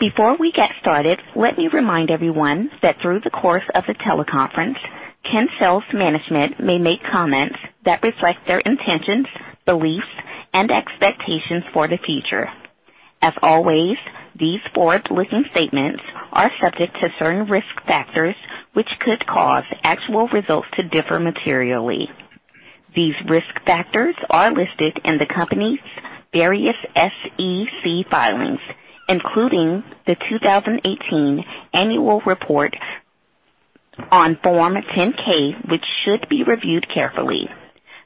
Before we get started, let me remind everyone that through the course of the teleconference, Kinsale's management may make comments that reflect their intentions, beliefs, and expectations for the future. As always, these forward-looking statements are subject to certain risk factors which could cause actual results to differ materially. These risk factors are listed in the company's various SEC filings, including the 2018 annual report on Form 10-K, which should be reviewed carefully.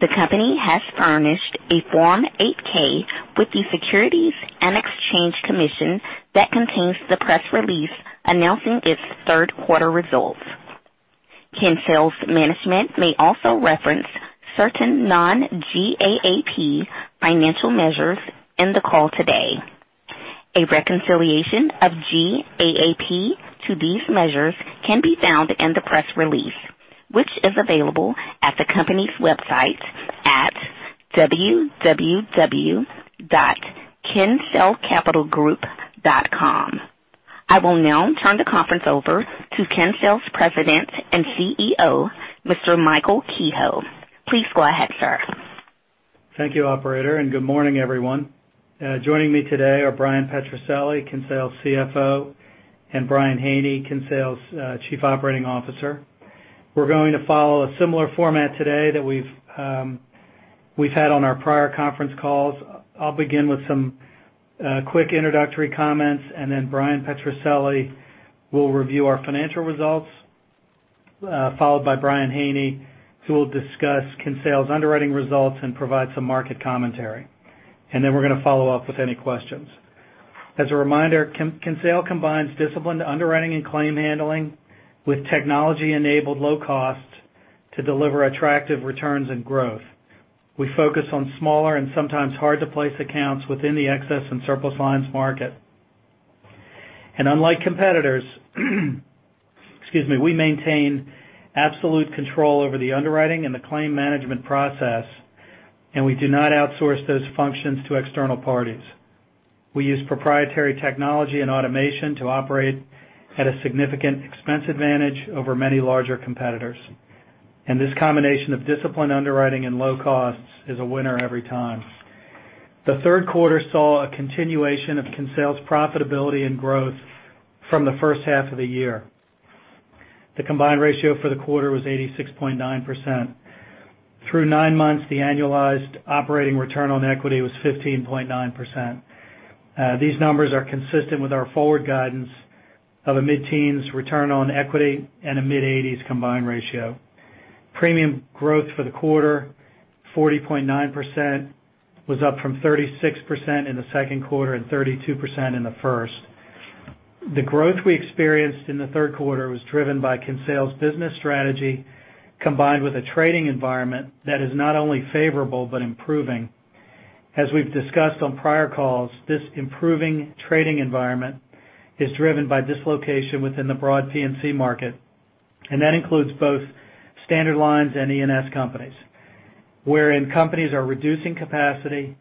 The company has furnished a Form 8-K with the Securities and Exchange Commission that contains the press release announcing its third quarter results. Kinsale's management may also reference certain non-GAAP financial measures in the call today. A reconciliation of GAAP to these measures can be found in the press release, which is available at the company's website at www.kinsalecapitalgroup.com. I will now turn the conference over to Kinsale's President and CEO, Mr. Michael Kehoe. Please go ahead, sir. Thank you, operator, and good morning, everyone. Joining me today are Bryan Petrucelli, Kinsale's CFO, and Brian Haney, Kinsale's Chief Operating Officer. We're going to follow a similar format today that we've had on our prior conference calls. I'll begin with some quick introductory comments. Bryan Petrucelli will review our financial results, followed by Brian Haney, who will discuss Kinsale's underwriting results and provide some market commentary. We're going to follow up with any questions. As a reminder, Kinsale combines disciplined underwriting and claim handling with technology-enabled low costs to deliver attractive returns and growth. We focus on smaller and sometimes hard-to-place accounts within the excess and surplus lines market. Unlike competitors, we maintain absolute control over the underwriting and the claim management process, and we do not outsource those functions to external parties. We use proprietary technology and automation to operate at a significant expense advantage over many larger competitors. This combination of disciplined underwriting and low costs is a winner every time. The third quarter saw a continuation of Kinsale's profitability and growth from the first half of the year. The combined ratio for the quarter was 86.9%. Through nine months, the annualized operating return on equity was 15.9%. These numbers are consistent with our forward guidance of a mid-teens return on equity and a mid-80s combined ratio. Premium growth for the quarter, 40.9%, was up from 36% in the second quarter and 32% in the first. The growth we experienced in the third quarter was driven by Kinsale's business strategy, combined with a trading environment that is not only favorable but improving. As we've discussed on prior calls, this improving trading environment is driven by dislocation within the broad P&C market. That includes both standard lines and E&S companies, wherein companies are reducing capacity,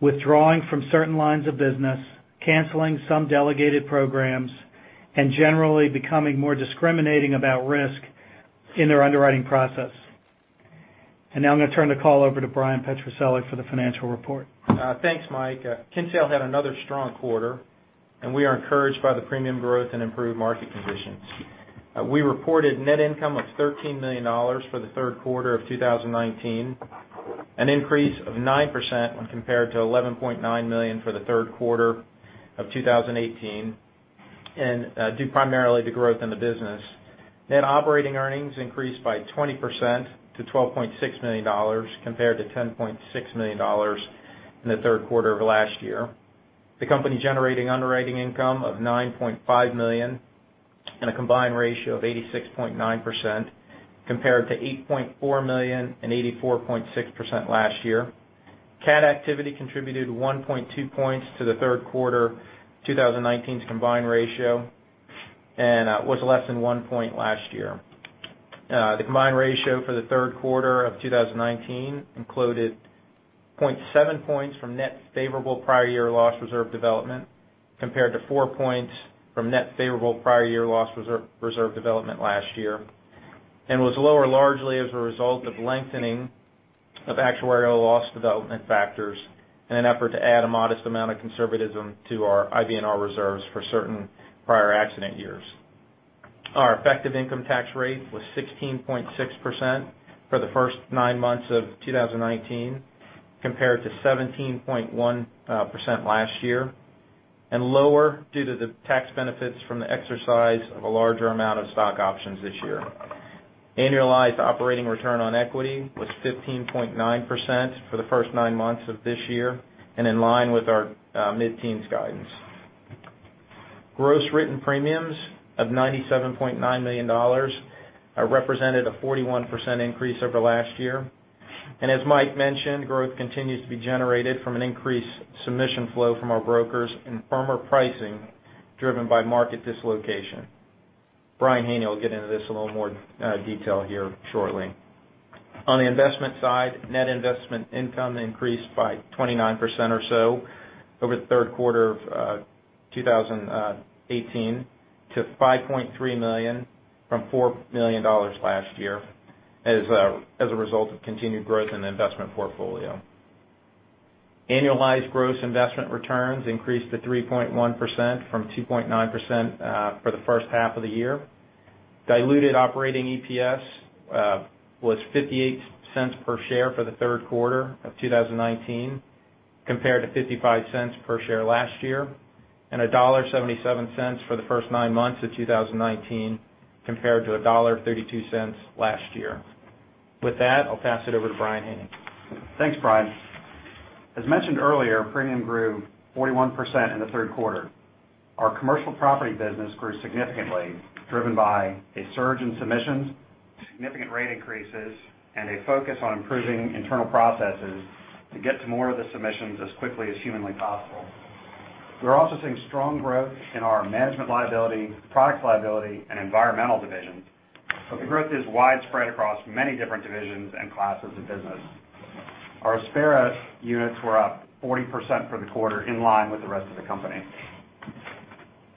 withdrawing from certain lines of business, canceling some delegated programs, and generally becoming more discriminating about risk in their underwriting process. Now I'm going to turn the call over to Bryan Petrucelli for the financial report. Thanks, Mike. Kinsale had another strong quarter. We are encouraged by the premium growth and improved market conditions. We reported net income of $13 million for the third quarter of 2019, an increase of 9% when compared to $11.9 million for the third quarter of 2018, due primarily to growth in the business. Net operating earnings increased by 20% to $12.6 million, compared to $10.6 million in the third quarter of last year. The company generating underwriting income of $9.5 million and a combined ratio of 86.9%, compared to $8.4 million and 84.6% last year. Cat activity contributed 1.2 points to the third quarter 2019's combined ratio. Was less than one point last year. The combined ratio for the third quarter of 2019 included 0.7 points from net favorable prior year loss reserve development, compared to four points from net favorable prior year loss reserve development last year. Was lower largely as a result of lengthening of actuarial loss development factors in an effort to add a modest amount of conservatism to our IBNR reserves for certain prior accident years. Our effective income tax rate was 16.6% for the first nine months of 2019, compared to 17.1% last year. Lower due to the tax benefits from the exercise of a larger amount of stock options this year. Annualized operating return on equity was 15.9% for the first nine months of this year. In line with our mid-teens guidance. Gross written premiums of $97.9 million represented a 41% increase over last year. As Mike mentioned, growth continues to be generated from an increased submission flow from our brokers and firmer pricing driven by market dislocation. Brian Haney will get into this in a little more detail here shortly. On the investment side, net investment income increased by 29% or so over the third quarter of 2018 to $5.3 million from $4 million last year as a result of continued growth in the investment portfolio. Annualized gross investment returns increased to 3.1% from 2.9% for the first half of the year. Diluted operating EPS was $0.58 per share for the third quarter of 2019, compared to $0.55 per share last year, $1.77 for the first nine months of 2019, compared to $1.32 last year. With that, I'll pass it over to Brian Haney. Thanks, Bryan. As mentioned earlier, premium grew 41% in the third quarter. Our commercial property business grew significantly, driven by a surge in submissions, significant rate increases, and a focus on improving internal processes to get to more of the submissions as quickly as humanly possible. We're also seeing strong growth in our management liability, product liability, and environmental division. The growth is widespread across many different divisions and classes of business. Our Aspera units were up 40% for the quarter, in line with the rest of the company.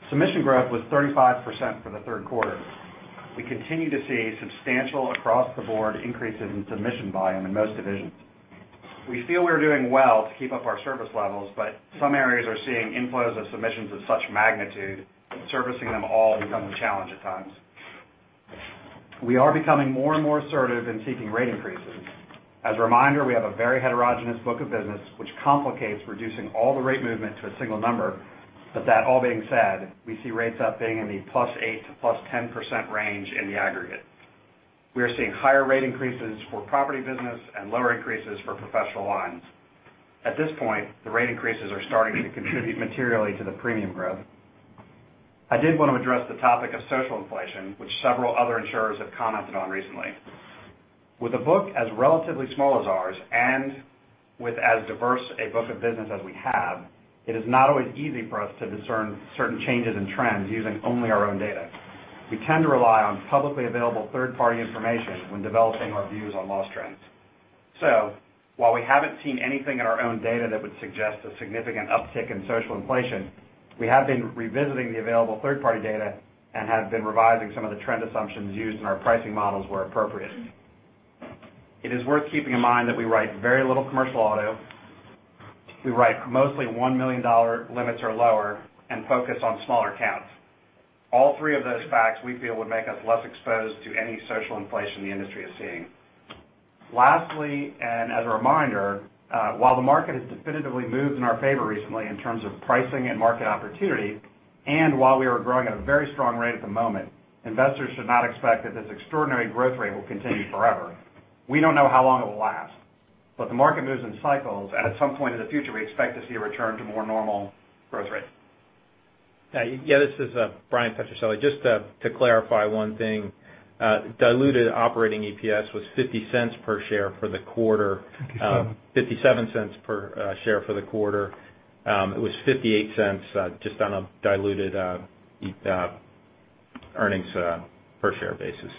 Submission growth was 35% for the third quarter. We continue to see substantial across-the-board increases in submission volume in most divisions. We feel we are doing well to keep up our service levels, but some areas are seeing inflows of submissions of such magnitude, servicing them all becomes a challenge at times. We are becoming more and more assertive in seeking rate increases. As a reminder, we have a very heterogeneous book of business, which complicates reducing all the rate movement to a single number. That all being said, we see rates up being in the plus 8% to plus 10% range in the aggregate. We are seeing higher rate increases for property business and lower increases for professional lines. At this point, the rate increases are starting to contribute materially to the premium growth. I did want to address the topic of social inflation, which several other insurers have commented on recently. With a book as relatively small as ours, and with as diverse a book of business as we have, it is not always easy for us to discern certain changes in trends using only our own data. We tend to rely on publicly available third-party information when developing our views on loss trends. While we haven't seen anything in our own data that would suggest a significant uptick in social inflation, we have been revisiting the available third-party data and have been revising some of the trend assumptions used in our pricing models where appropriate. It is worth keeping in mind that we write very little commercial auto. We write mostly $1 million limits or lower and focus on smaller accounts. All three of those facts, we feel, would make us less exposed to any social inflation the industry is seeing. Lastly, as a reminder, while the market has definitively moved in our favor recently in terms of pricing and market opportunity, and while we are growing at a very strong rate at the moment, investors should not expect that this extraordinary growth rate will continue forever. We don't know how long it will last, but the market moves in cycles, and at some point in the future, we expect to see a return to more normal growth rates. Yeah, this is Bryan Petrucelli. Just to clarify one thing, diluted operating EPS was $0.50 per share for the quarter. Fifty-seven. $0.57 per share for the quarter. It was $0.58 just on a diluted earnings per share basis.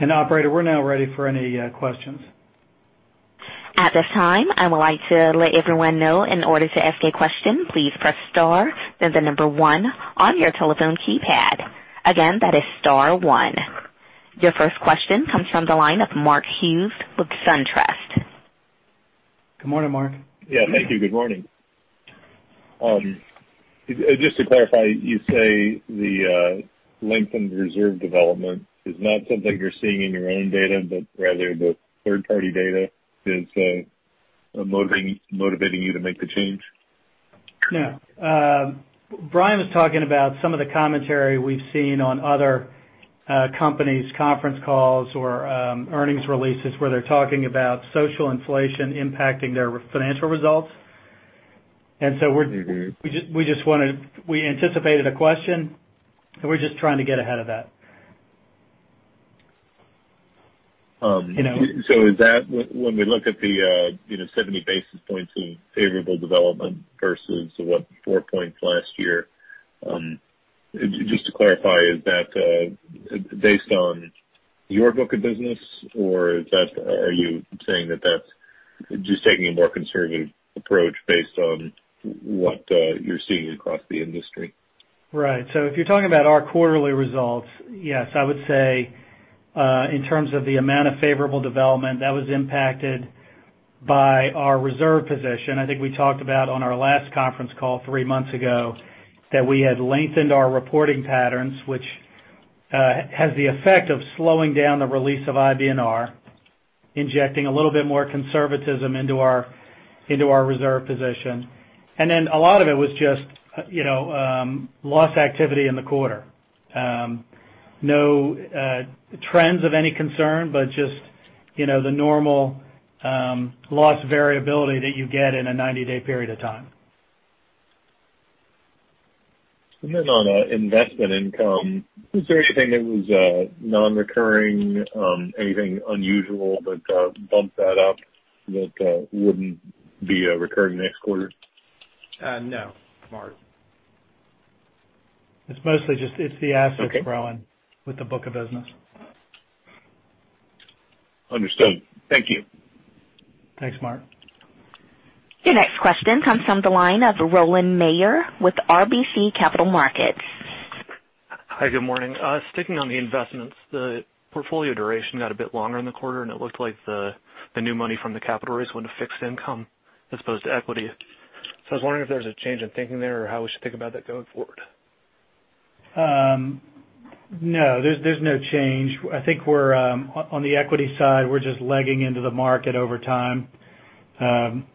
Operator, we're now ready for any questions. At this time, I would like to let everyone know in order to ask a question, please press star, then the number one on your telephone keypad. Again, that is star one. Your first question comes from the line of Mark Hughes with SunTrust. Good morning, Mark. Yeah, thank you. Good morning. Just to clarify, you say the lengthened reserve development is not something you're seeing in your own data, but rather the third-party data is motivating you to make the change? No. Brian was talking about some of the commentary we've seen on other companies' conference calls or earnings releases where they're talking about social inflation impacting their financial results. We anticipated a question, and we're just trying to get ahead of that. When we look at the 70 basis points in favorable development versus what, four points last year, just to clarify, is that based on your book of business, or are you saying that that's just taking a more conservative approach based on what you're seeing across the industry? Right. If you're talking about our quarterly results, yes, I would say, in terms of the amount of favorable development, that was impacted by our reserve position. I think we talked about on our last conference call three months ago that we had lengthened our reporting patterns, which has the effect of slowing down the release of IBNR, injecting a little bit more conservatism into our reserve position. A lot of it was just loss activity in the quarter. No trends of any concern, but just the normal loss variability that you get in a 90-day period of time. On investment income, is there anything that was non-recurring, anything unusual that bumped that up that wouldn't be recurring next quarter? No, Mark. It's mostly just the assets growing. Okay. With the book of business. Understood. Thank you. Thanks, Mark. Your next question comes from the line of Rowland Mayor with RBC Capital Markets. Hi, good morning. Sticking on the investments, the portfolio duration got a bit longer in the quarter, and it looked like the new money from the capital raise went to fixed income as opposed to equity. I was wondering if there's a change in thinking there or how we should think about that going forward. No, there's no change. I think on the equity side, we're just legging into the market over time. I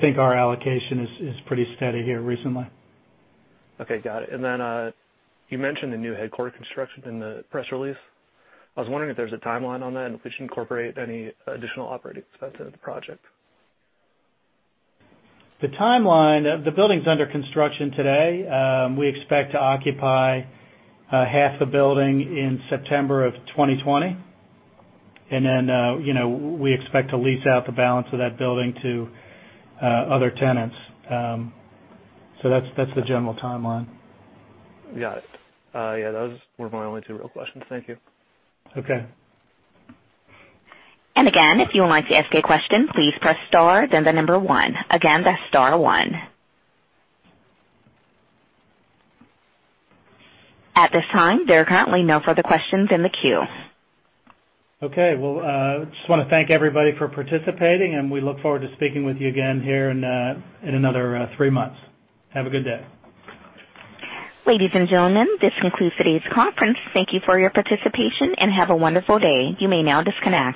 think our allocation is pretty steady here recently. Okay, got it. You mentioned the new headquarter construction in the press release. I was wondering if there's a timeline on that and if we should incorporate any additional operating expense into the project. The timeline, the building's under construction today. We expect to occupy half the building in September of 2020, we expect to lease out the balance of that building to other tenants. That's the general timeline. Got it. Yeah, those were my only two real questions. Thank you. Okay. Again, if you would like to ask a question, please press star then the number 1. Again, that's star one. At this time, there are currently no further questions in the queue. Okay. Well, just want to thank everybody for participating, and we look forward to speaking with you again here in another three months. Have a good day. Ladies and gentlemen, this concludes today's conference. Thank you for your participation, and have a wonderful day. You may now disconnect.